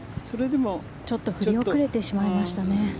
ちょっと振り遅れてしまいましたね。